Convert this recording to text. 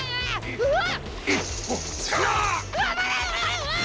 うわっ！